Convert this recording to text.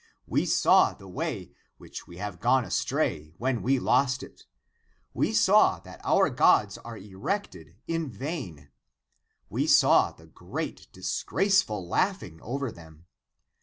We saw the way, which we have gone astray, when 152 THE APOCRYPHAL ACTS we lost it. We saw that our gods are erected in vain. We saw the great disgraceful laughing over them.